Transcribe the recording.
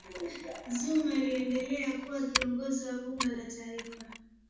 zuma aliendelea kuwa kiongozi wa bunge la kitaifa